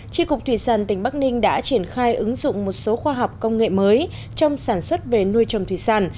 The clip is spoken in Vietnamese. tri cục thủy sản tỉnh bắc ninh đã triển khai ứng dụng một số khoa học công nghệ mới trong sản xuất về nuôi trồng thủy sản